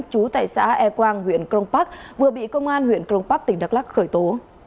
chú tại xã e quang huyện crong park vừa bị công an huyện crong park tỉnh đắk lắc khởi tố